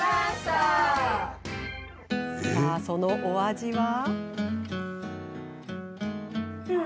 さあ、そのお味は。